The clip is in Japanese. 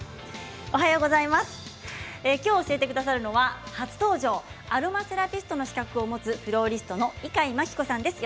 今日、教えてくださるのは初登場アロマセラピストの資格を持つフローリストの猪飼牧子さんです。